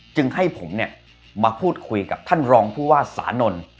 จึงให้ผมเนี่ยมาพูดคุยกับท่านรองผู้ว่าสานนท์